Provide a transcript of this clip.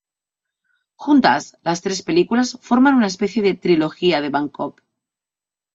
Juntas, las tres películas forman una especie de "trilogía de Bangkok".